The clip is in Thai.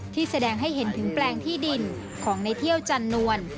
แสดงให้เห็นถึงแปลงที่ดินของในเที่ยวจันนวล